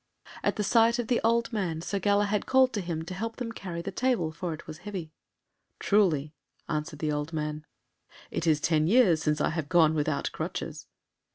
At the sight of the old man Sir Galahad called to him to help them carry the table, for it was heavy. "Truly," answered the old man, "it is ten years since I have gone without crutches."